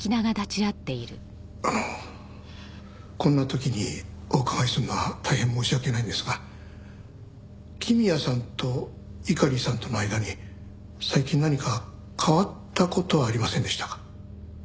あのこんな時にお伺いするのは大変申し訳ないんですが公也さんと猪狩さんとの間に最近何か変わった事はありませんでしたか？